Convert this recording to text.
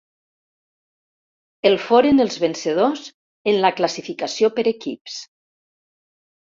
El foren els vencedors en la classificació per equips.